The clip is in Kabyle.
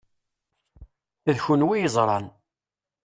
D kunwi i yeẓṛan.